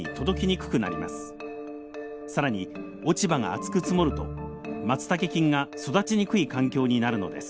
更に落ち葉が厚く積もるとマツタケ菌が育ちにくい環境になるのです